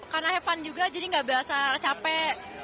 karena have fun juga jadi gak biasa capek